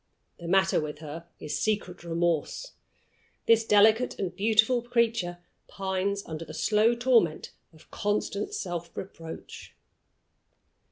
The matter with her is secret remorse. This delicate and beautiful creature pines under the slow torment of constant self reproach.